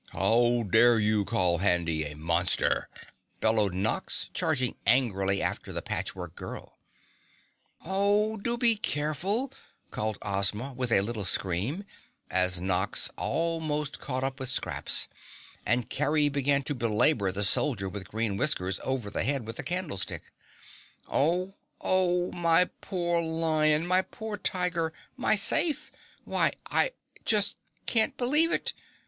"How dare you call Handy a Monster?" bellowed Nox, charging angrily after the Patchwork Girl. "Oh! Do be careful!" called Ozma with a little scream, as Nox almost caught up with Scraps, and Kerry began to belabor the Soldier with Green Whiskers over the head with a candlestick. "Oh! Oh! My poor Lion! My poor Tiger! My SAFE! Why, I just can't believe it!"